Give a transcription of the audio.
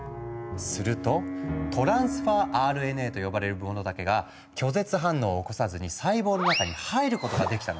すると「トランスファーＲＮＡ」と呼ばれるものだけが拒絶反応を起こさずに細胞の中に入ることができたの。